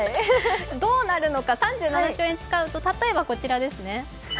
どうなるのか、３７兆円使うと例えばこちらですね。